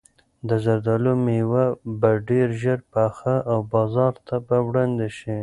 د زردالو مېوه به ډېر ژر پخه او بازار ته به وړاندې شي.